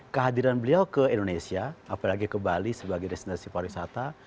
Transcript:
kehadiran beliau ke indonesia apalagi ke bali sebagai destinasi pariwisata